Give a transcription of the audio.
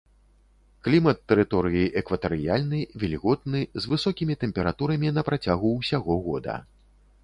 Клімат тэрыторыі экватарыяльны, вільготны, з высокімі тэмпературамі на працягу ўсяго года.